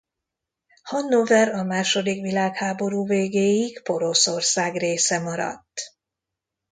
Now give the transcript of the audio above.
Hannover a második világháború végéig Poroszország része maradt.